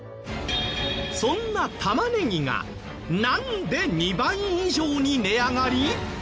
そんな玉ねぎがなんで２倍以上に値上がり？